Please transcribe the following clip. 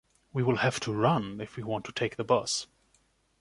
We will have to run if we want to take the bus.